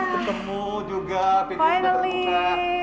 ketemu juga petunjuk yang terbunga